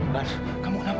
dan kamu kenapa